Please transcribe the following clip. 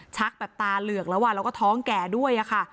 แบบตาเหลือกแล้วแล้วก็ท้องแก่ด้วยค่ะ